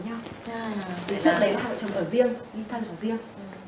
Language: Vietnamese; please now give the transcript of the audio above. từ trước đấy là hai vợ chồng ở riêng thân ở riêng